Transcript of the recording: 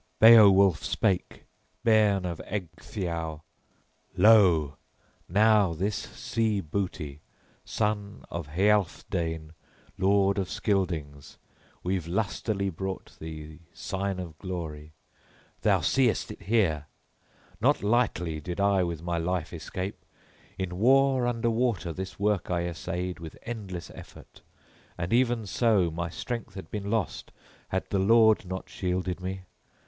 XXIV BEOWULF spake, bairn of Ecgtheow: "Lo, now, this sea booty, son of Healfdene, Lord of Scyldings, we've lustily brought thee, sign of glory; thou seest it here. Not lightly did I with my life escape! In war under water this work I essayed with endless effort; and even so my strength had been lost had the Lord not shielded me.